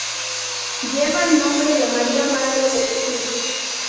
Lleva el nombre de María, madre de Jesús.